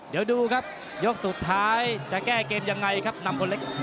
เดี๋ยวดูครับยกสุดท้ายจะแก้เกมยังไงครับนำคนเล็ก